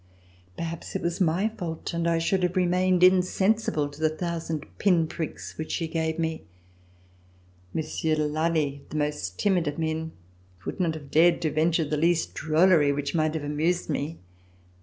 Perhaps it was my fault and I should have remained insensible to the thousand pin pricks which she gave me. Monsieur de Lally, the most timid of men, would not have dared to venture the least drollery which might have amused me.